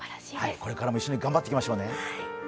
これからも一緒に頑張っていきましょうね。